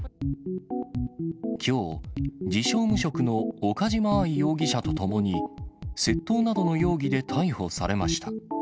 きょう、自称無職の岡島愛容疑者とともに、窃盗などの容疑で逮捕されました。